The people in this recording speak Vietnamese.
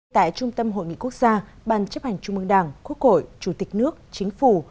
tại trung tâm hội nghị quốc gia ban chấp hành trung mương đảng quốc hội chủ tịch nước chính phủ